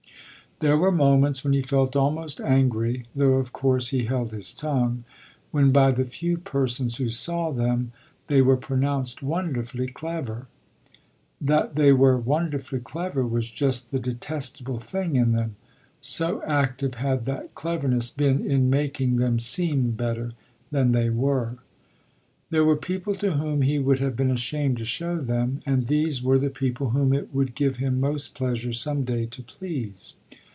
There were moments when he felt almost angry, though of course he held his tongue, when by the few persons who saw them they were pronounced wonderfully clever. That they were wonderfully clever was just the detestable thing in them, so active had that cleverness been in making them seem better than they were. There were people to whom he would have been ashamed to show them, and these were the people whom it would give him most pleasure some day to please.